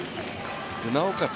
なおかつ